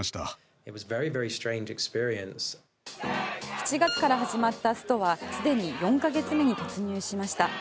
７月から始まったストは既に４ヶ月目に突入しました。